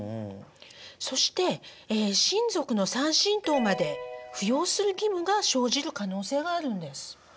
そして親族の３親等まで扶養する義務が生じる可能性があるんです。